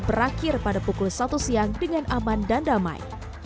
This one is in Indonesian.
berakhir pada pukul satu siang dengan aman dan damai